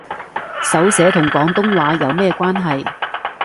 手寫同廣東話有咩關係